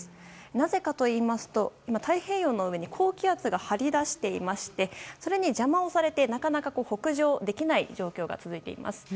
なぜかといいますと太平洋の上に高気圧が張り出していましてそれに邪魔されてなかなか北上できない状況が続いています。